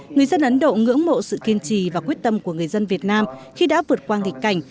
người dân ấn độ ngưỡng mộ sự kiên trì và quyết tâm của người dân việt nam khi đã vượt qua nghịch cảnh